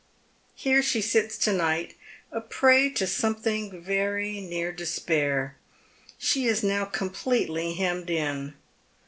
Here she sits to night, a prey to sometliing very near despair. She is now completely hemmed in.